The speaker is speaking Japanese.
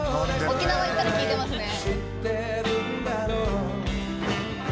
沖縄行ったら聴いてますね。